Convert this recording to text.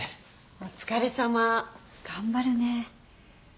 お疲れさま頑張るね。